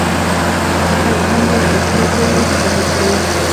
ډېر هومره چې سترګو يې اوښکې وکړې،